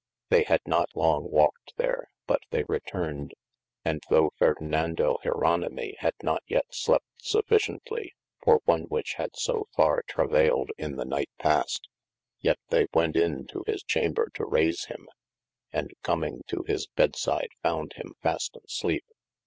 They had not long walked there, but they returned, and thoug[h] Ferdenando feronimii had not yet slept sufficiently, for one which had so 407 THE ADVENTURES farre travayled in the night past, yet they went in to his chamber to rayse him, and comming to his beds side, found him fast on slep.